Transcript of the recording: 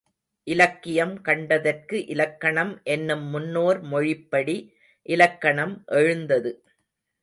இலக்கியம் கண்டதற்கு இலக்கணம் என்னும் முன்னோர் மொழிப்படி இலக்கணம் எழுந்தது.